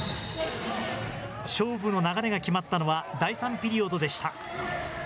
勝負の流れが決まったのは、第３ピリオドでした。